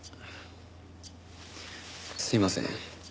すいません。